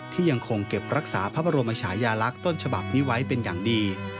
ยังคงเก็บรักษาพระบรมชายาลักษณ์ต้นฉบับนี้ไว้เป็นอย่างดี